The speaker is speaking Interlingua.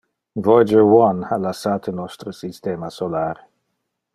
Voyager One ha lassate nostre systema solar.